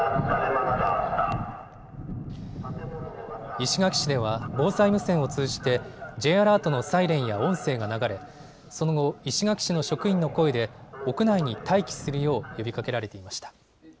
石垣市では防災無線を通じてＪアラートのサイレンや音声が流れ、その後、石垣市の職員の声で屋内に待機するよう呼びかけられていました。